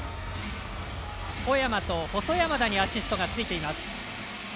小山と細山田にアシストがついています。